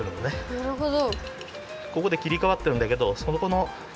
なるほど。